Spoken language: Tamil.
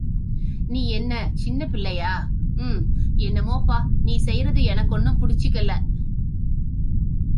நீ யென்ன சின்னப் பிள்ளையா?... உம் என்னமோப்பா நீ செய்றது எனக்கொண்ணும் புடிச்சுக்கெல்லே.